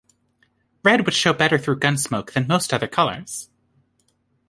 Red would show better through gunsmoke than most other colors.